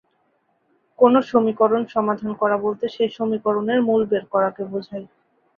কোন সমীকরণ সমাধান করা বলতে সেই সমীকরণের মূল বের করাকে বোঝায়।